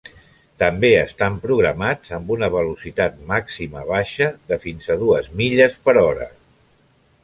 També estan programats amb una velocitat màxima baixa de fins a dues milles per hora.